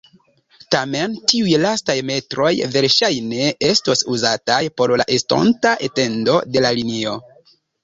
Tamen tiuj lastaj metroj verŝajne estos uzataj por la estonta etendo de la linio.